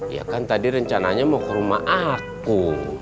ya kan tadi rencananya mau ke rumah aku